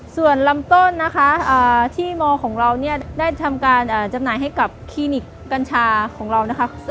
ส่วนลำต้นนะคะที่มของเราเนี่ยได้ทำการจำหน่ายให้กับคลินิกกัญชาของเรานะคะ